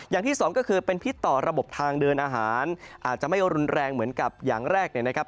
อย่างที่สองก็คือเป็นพิษต่อระบบทางเดินอาหารอาจจะไม่รุนแรงเหมือนกับอย่างแรกเนี่ยนะครับ